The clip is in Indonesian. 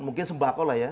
mungkin sembako lah ya